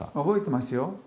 覚えてますよ。